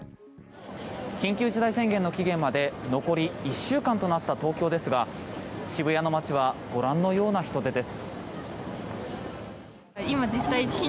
緊急事態宣言の期限まで残り１週間となった東京ですが渋谷の街はご覧のような人出です。